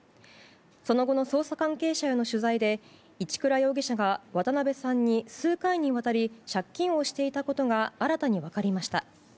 その後の捜査関係者への取材で一倉容疑者が渡辺さんに複数にわたり借金をしていたことが新たに分かりました。